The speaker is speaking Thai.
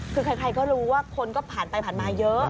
คือใครก็รู้ว่าคนก็ผ่านไปผ่านมาเยอะ